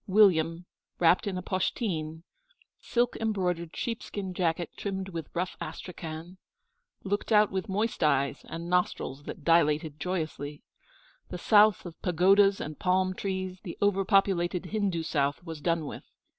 William, wrapped in a poshteen silk embroidered sheepskin jacket trimmed with rough astrakhan looked out with moist eyes and nostrils that dilated joyously. The South of pagodas and palm trees, the over populated Hindu South, was done with.